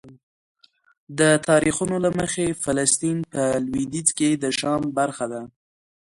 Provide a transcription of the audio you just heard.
د تاریخونو له مخې فلسطین په لویدیځ کې د شام برخه ده.